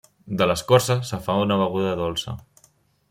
De l'escorça se'n fa una beguda dolça.